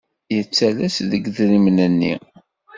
Yettalas deg yidrimen-nni.